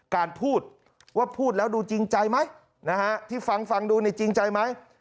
การพูดว่าพูดแล้วดูจริงใจไหมนะฮะที่ฟังฟังดูเนี่ยจริงใจไหม